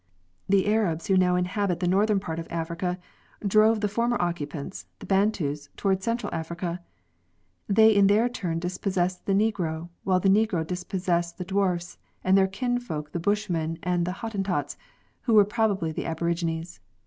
The Arabs who now inhabit the northern part of Africa drove the former occupants, the Bantus, toward central Africa; they in their turn dispossessed the Negro, while the Negro dispos sessed the Dwarfs and their kinfolk the Bushmen and the Hot tentots, who were probably the aborigines.